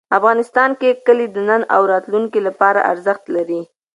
افغانستان کې کلي د نن او راتلونکي لپاره ارزښت لري.